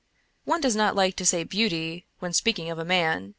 One does not like to say " beauty " when speaking of a man.